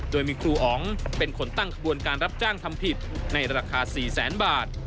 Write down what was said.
โดยมีครูอ๋องเป็นคนตั้งขบวนการรับจ้างทำผิดในราคา๔แสนบาท